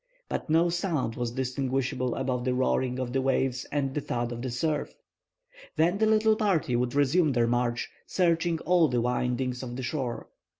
But no sound was distinguishable above the roaring of the waves and the thud of the surf. Then the little party would resume their march, searching all the windings of the shore.